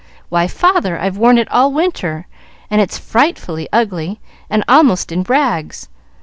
Why, father, I've worn it all winter, and it's frightfully ugly, and almost in rags.